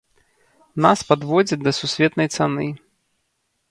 Нас падводзяць да сусветнай цаны.